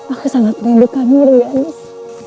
aku sangat rindukanmu ranganis